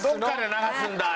流すんだ。